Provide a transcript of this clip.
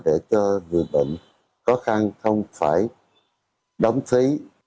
để cho người bệnh khó khăn không phải đóng phí